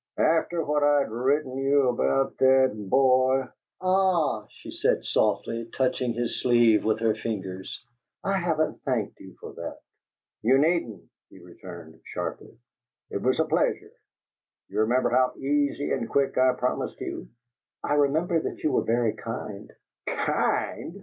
"After what I'd written you about that boy " "Ah," she said, softly, touching his sleeve with her fingers, "I haven't thanked you for that." "You needn't," he returned, sharply. "It was a pleasure. Do you remember how easy and quick I promised you?" "I remember that you were very kind." "Kind!"